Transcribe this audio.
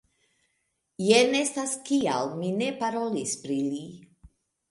Jen estas kial mi ne parolis pri li.